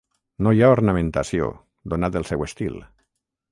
No hi ha ornamentació, donat el seu estil.